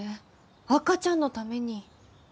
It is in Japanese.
赤ちゃんのために。